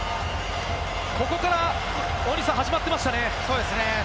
ここから大西さん、始まってましたね。